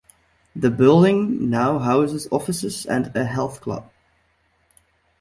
The building now houses offices and a health club.